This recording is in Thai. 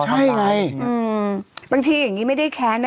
ใช่ไงบางทีอย่างนี้ไม่ได้แค้นนะ